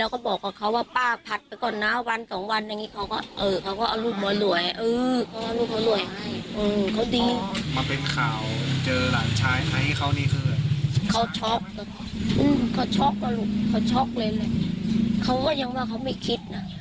เขาก็ยังว่าเขาไม่คิดนะ